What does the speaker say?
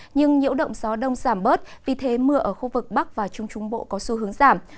nhưng nhiễu động gió đông giảm bớt vì thế mưa ở khu vực bắc và trung trung bộ có xu hướng giảm